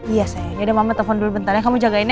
iya sayang yaudah mama telfon dulu bentar ya kamu jagain ya